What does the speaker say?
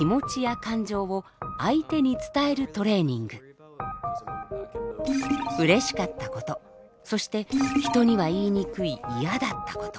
活動内容はうれしかったことそして人には言いにくい嫌だったこと。